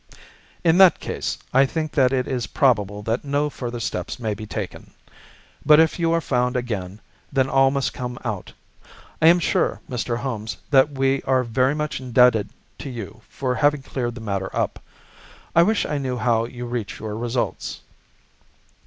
"In that case I think that it is probable that no further steps may be taken. But if you are found again, then all must come out. I am sure, Mr. Holmes, that we are very much indebted to you for having cleared the matter up. I wish I knew how you reach your results."